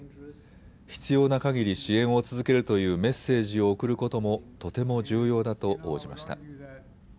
必要なかぎり支援を続けるというメッセージを送ることもとても重要だと応じました。